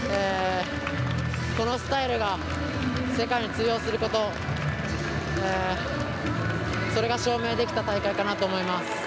このスタイルが世界に通用することそれが証明できた大会かなと思います。